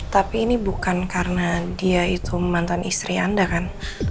tapi ini bukan karena dia itu mantan istri anda kan